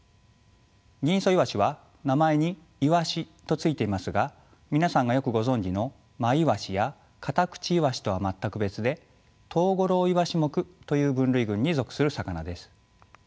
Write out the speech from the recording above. ギンイソイワシは名前に「イワシ」と付いていますが皆さんがよくご存じのマイワシやカタクチイワシとは全く別でトウゴロウイワシ目という分類群に属する魚です。